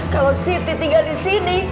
kalo siti tinggal disini